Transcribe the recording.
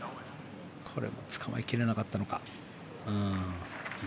これもつかまえ切れなかったのか。